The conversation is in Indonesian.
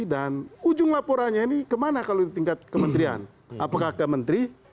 dan ujung laporannya ini kemana kalau di tingkat kementerian apakah ke menteri